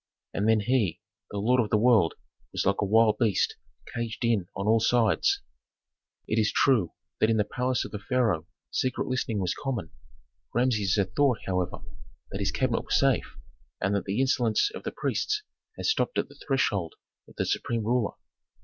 And then he, the lord of the world, was like a wild beast caged in on all sides. It is true that in the palace of the pharaoh secret listening was common. Rameses had thought, however, that his cabinet was safe, and that the insolence of priests had stopped at the threshold of the supreme ruler.